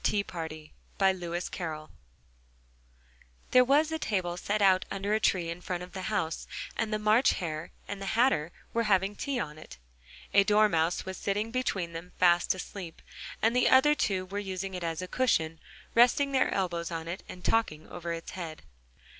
ROBERT REID A MAD TEA PARTY There was a table set out under a tree in front of the house, and the March Hare and the Hatter were having tea at it: a Dormouse was sitting between them, fast asleep, and the other two were using it as a cushion, resting their elbows on it, and talking over its head.